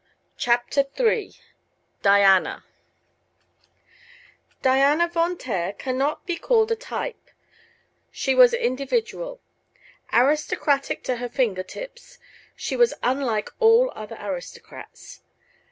CHAPTER III DIANA Diana Von Taer can not be called a type. She was individual. Aristocratic to her finger tips, she was unlike all other aristocrats.